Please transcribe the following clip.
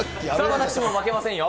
私も負けませんよ。